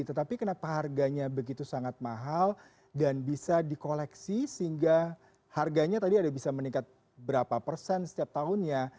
tetapi kenapa harganya begitu sangat mahal dan bisa di koleksi sehingga harganya tadi ada bisa meningkat berapa persen setiap tahunnya